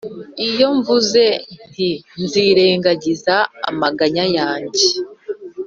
iyo mvuze nti ‘nzirengagiza amaganya yanjye,